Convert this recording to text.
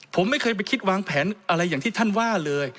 ผมไม่เคยไปคิดวางแผนอะไรอย่างที่ท่านว่าเลย